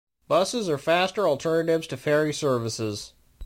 Buses are faster alternatives to ferry services.